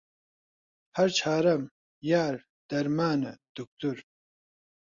هەر چارەم، یار، دەرمانە، دوکتۆر